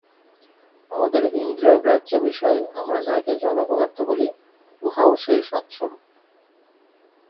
আমাদের ইন্দ্রিয়গ্রাহ্য বিষয়, আমরা যাহাকে জড় পদার্থ বলি, উহাও সেই সৎস্বরূপ।